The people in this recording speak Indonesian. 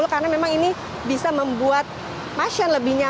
karena memang ini bisa membuat pasien lebih nyaman